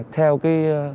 theo nguyên tắc